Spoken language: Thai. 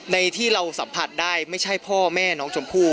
ที่เราสัมผัสได้ไม่ใช่พ่อแม่น้องชมพู่